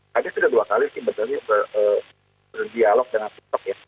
tadi sudah dua kali sebenarnya berdialog dengan desktop ya